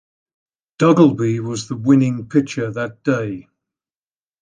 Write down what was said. Duggleby was the winning pitcher that day.